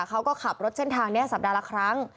ปกติเค้าก็ขับรถเส้นทางนี้สัปดาห์หลักครั้ง